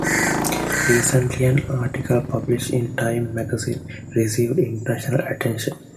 Recently an article published in Time magazine received international attention.